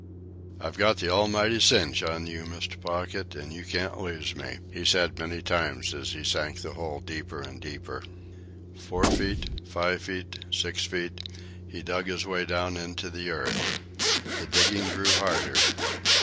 "I've got the almighty cinch on you, Mr. Pocket, an' you can't lose me," he said many times as he sank the hole deeper and deeper. Four feet, five feet, six feet, he dug his way down into the earth. The digging grew harder.